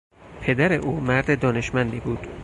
پدر او مرد دانشمندی بود.